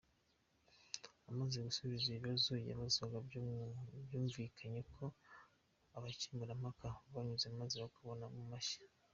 Amaze gusubiza ibibazo yabazwaga byumvikanye ko abakemurampaka banyuze maze bakoma mu mashyi.